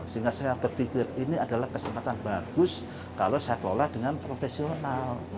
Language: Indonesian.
sehingga saya berpikir ini adalah kesempatan bagus kalau saya kelola dengan profesional